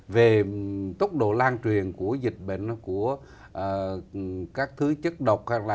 về tốc độ lan truyền của dịch bệnh của các thứ chất độc hay là